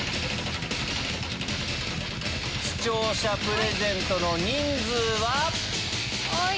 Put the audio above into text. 視聴者プレゼントの人数は⁉こい！